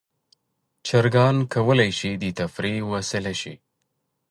چرګان کولی شي د تفریح وسیله شي.